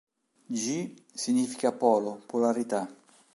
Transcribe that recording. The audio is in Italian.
Ji, significa polo, polarità.